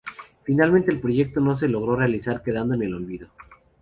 Finalmente el proyecto no se logró realizar quedando en el olvido.